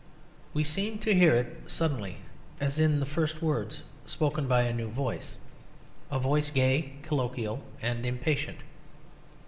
We seem to hear it suddenly as in the first words spoken by a new voice, a voice gay, colloquial, and impatient.